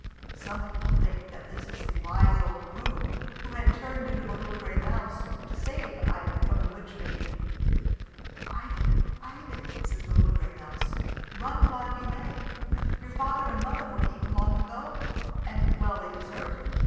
Some people think that this was the wise old groom, who had turned into a little gray mouse to save Ivan from the witch baby. "Ivan, Ivan," says the little gray mouse, "run while you may. Your father and mother were eaten long ago, and well they deserved it.